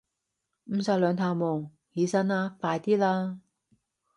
唔使兩頭望，起身啦，快啲啦